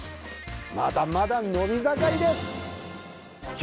まだまだ伸び盛りです！